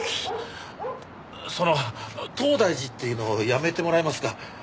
その東大寺って言うのやめてもらえますか？